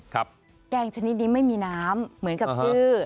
แกงชนิดนี้ไม่มีน้ำเหมือนกับชื่อ